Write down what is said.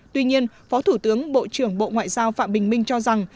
tuy nhiên phó thủ tướng bộ trưởng bộ ngoại giao phạm bình minh cho rằng